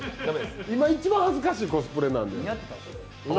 今一番恥ずかしいコスプレなんで。